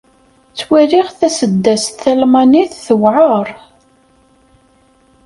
Ttwaliɣ taseddast talmanit tewɛeṛ.